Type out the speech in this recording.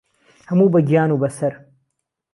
ههموو به گیان و بە سەر